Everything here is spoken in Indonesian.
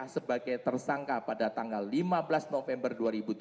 sebagai tersangka pada tanggal lima belas november dua ribu tujuh belas